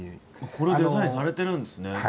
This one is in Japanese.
これデザインされてるんですね。